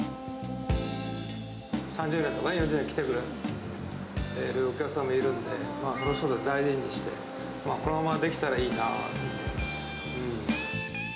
３０年とか４０年とか、来てくれてるお客さんもいるんで、その人たちを大事にして、このままできたらいいなぁって。